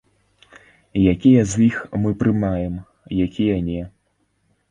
Якія з іх мы прымаем, якія не?